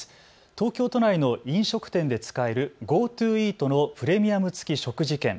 東京都内の飲食店で使えるＧｏＴｏイートのプレミアム付き食事券。